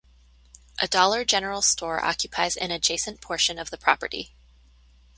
A Dollar General store occupies an adjacent portion of the property.